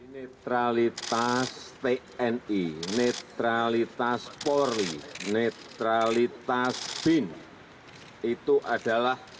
netralitas tni netralitas polri netralitas bin itu adalah